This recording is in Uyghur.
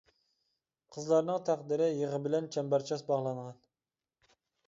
قىزلارنىڭ تەقدىرى يىغا بىلەن چەمبەرچاس باغلانغان!